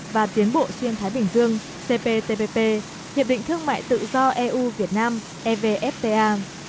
và tiến bộ xuyên thái bình dương cptpp hiệp định thương mại tự do eu việt nam evfta